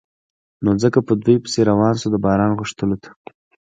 نو ځکه په دوی پسې شو د باران غوښتلو ته.